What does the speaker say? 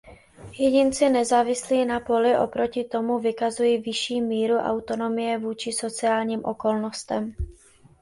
Jedinci nezávislí na poli oproti tomu vykazují vyšší míru autonomie vůči sociálním okolnostem.